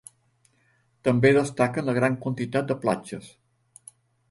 També destaquen la gran quantitat de platges.